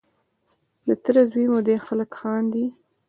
د تره زوی مو دی خلک خاندي.